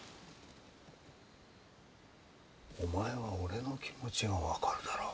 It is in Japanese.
お前は俺の気持ちが分かるだろう？